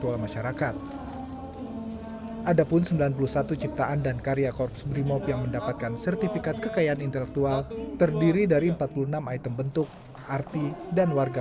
atas perkakuan sehingga sejarah korps brimob yang dilihat belum bangun lagi